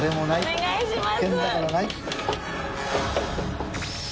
お願いします。